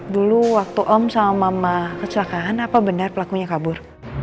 dulu waktu om sama mama kecelakaan apa benar pelakunya kabur